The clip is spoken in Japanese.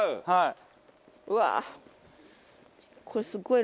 はい。